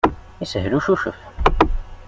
Yeshel ucucef.